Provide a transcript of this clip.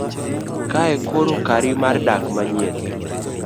kae koro kari mar dak manyien